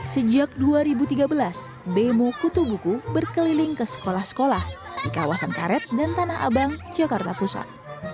sejak dua ribu tiga belas bemo kutubuku berkeliling ke sekolah sekolah di kawasan karet dan tanah abang jakarta pusat